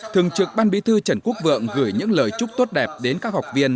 thường trực ban bí thư trần quốc vượng gửi những lời chúc tốt đẹp đến các học viên